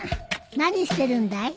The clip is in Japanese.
・何してるんだい？